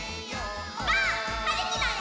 ばあっ！はるきだよ！